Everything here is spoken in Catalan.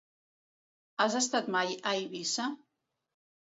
Has estat mai a Eivissa?